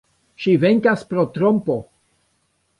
Ŝi venkas pro trompo.